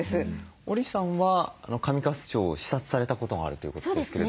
織さんは上勝町を視察されたことがあるということですけれども。